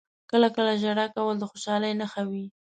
• کله کله ژړا کول د خوشحالۍ نښه وي.